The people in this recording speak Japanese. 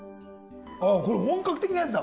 ああこれ本格的なやつだ。